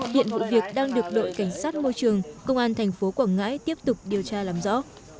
hiện vụ việc đang được đội cảnh sát môi trường công an thành phố quảng ngãi tiếp tục điều tra làm rõ